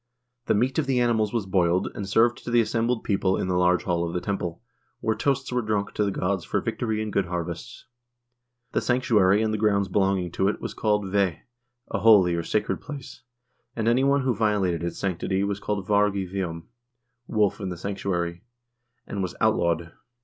The meat of the animals was boiled, and served to the assembled people in the large hall of the temple, where toasts were drunk to the gods for victory and good harvests. The sanctuary and the grounds belong ing to it was called ve, a holy or sacred place, and any one who vio lated its sanctity was called varg i vSum (wolf in the sanctuary), and was outlawed.